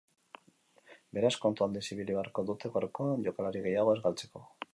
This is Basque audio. Beraz, kontu handiz ibili beharko dute gaurkoan jokalari gehiago ez galtzeko.